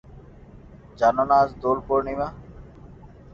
জান না আজ দোলপূর্ণিমা?